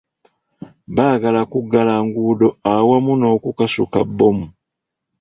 Baagala kuggala nguudo awamu n'okukasuka bomu.